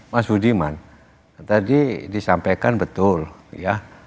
mas hudi man tadi disampaikan betul ya